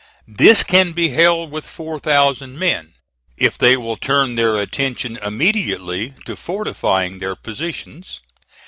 This can be held with four thousand men, if they will turn their attention immediately to fortifying their positions.